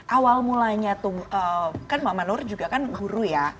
awal mulanya tuh kan mama nur juga kan guru ya